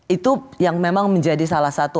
itu yang memang menjadi salah satu